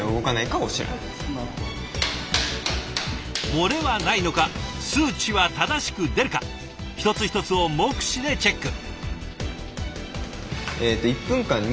漏れはないのか数値は正しく出るか一つ一つを目視でチェック。